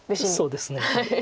そうですね。